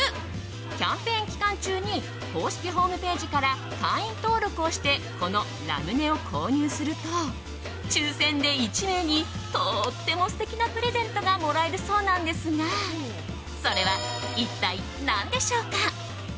キャンペーン期間中に公式ホームページから会員登録をしてこのラムネを購入すると抽選で１名にとっても素敵なプレゼントがもらえるそうなんですがそれは一体何でしょうか？